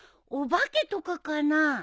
お化けとかかな？